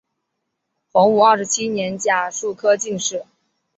洪武二十七年甲戌科进士。